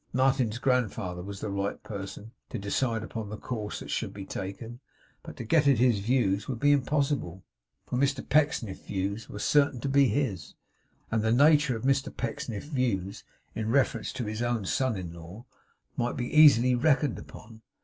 Martin's grandfather was of right the person to decide upon the course that should be taken; but to get at his views would be impossible, for Mr Pecksniff's views were certain to be his. And the nature of Mr Pecksniff's views in reference to his own son in law might be easily reckoned upon.